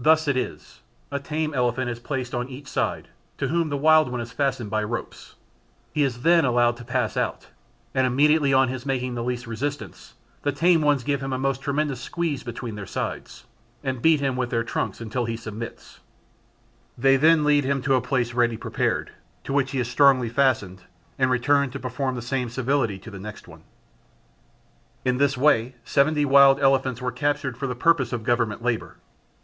Thus it is: A tame elephant is placed on each side, to whom the wild one is fastened by ropes; he is then allowed to pass out, and immediately on his making the least resistance, the tame ones give him a most tremendous squeeze between their sides, and beat him with their trunks until he submits; they then lead him to a place ready prepared, to which he is strongly fastened, and return to perform the same civility to the next one. In this way seventy wild elephants were captured for the purpose of government labour.